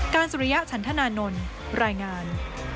สุริยะฉันธนานนท์รายงาน